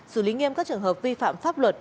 xử lý nghiêm các trường hợp vi phạm pháp luật